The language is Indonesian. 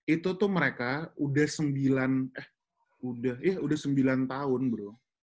itu tuh mereka udah sembilan eh udah ya udah sembilan tahun bro